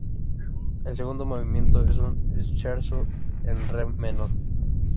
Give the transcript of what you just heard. El segundo movimiento es un scherzo en re menor.